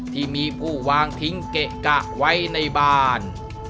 ที่มีผู้วางทิ้งเกะกะไว้ในบ้าน